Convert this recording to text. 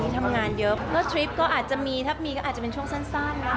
ถ้ามีก็อาจจะเป็นช่วงสั้นนะคะ